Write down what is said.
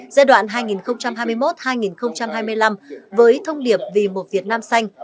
giai đoạn hai nghìn hai mươi một hai nghìn hai mươi năm với thông điệp vì một việt nam xanh